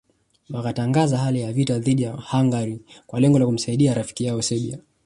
Wakatangaza hali ya vita dhidi ya Hungaria kwa lengo la kumsaidia rafiki yao Serbia